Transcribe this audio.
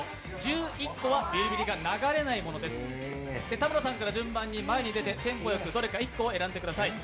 田村さんから順番に前に出てテンポよくどれか１個選んでください。